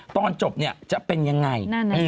ตอนจบเนี่ยจะเป็นยังไง